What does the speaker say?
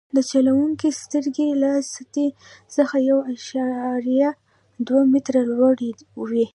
د چلوونکي سترګې له سطحې څخه یو اعشاریه دوه متره لوړې وي